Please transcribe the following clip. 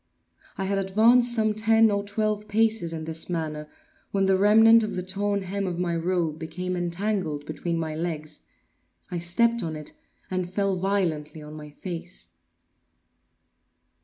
I had advanced some ten or twelve paces in this manner, when the remnant of the torn hem of my robe became entangled between my legs. I stepped on it, and fell violently on my face.